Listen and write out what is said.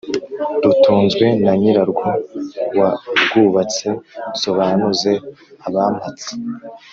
Rutunzwe na nyirarwo warwubatse, Nsobanuze abampatse